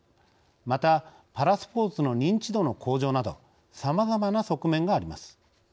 またパラスポーツの認知度の向上などさまざまな側面があります。